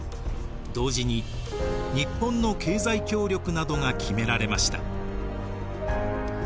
同時に日本の経済協力などが決められました。